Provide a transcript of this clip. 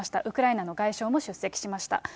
ウクライナの外相も出席しました。